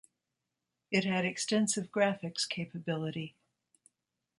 It had extensive graphics capability.